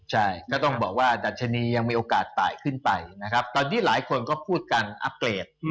ใช่ก็ต้องบอกว่าดัชนียังมีโอกาสตายขึ้นไปนะครับตอนนี้หลายคนก็พูดกันอัปเกรด